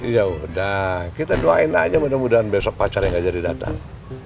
ya udah kita doain aja mudah mudahan besok pacar yang aja didatang